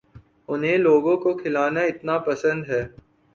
انھیں لوگوں کو کھلانا اتنا پسند ہے